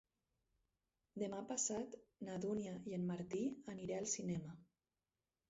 Demà passat na Dúnia i en Martí aniré al cinema.